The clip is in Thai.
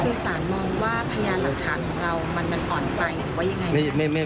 คือสารมองว่าพยานหลักฐานของเรามันอ่อนไปหรือว่ายังไง